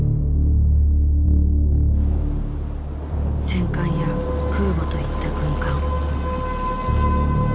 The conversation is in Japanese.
戦艦や空母といった軍艦。